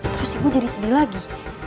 terus ibu jadi sedih lagi